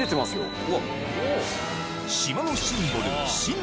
島のシンボル